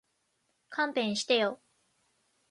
勘弁してよ